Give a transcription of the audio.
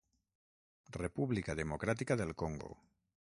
República Democràtica del Congo.